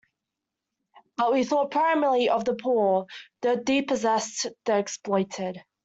But we thought primarily of the poor, the dispossessed, the exploited.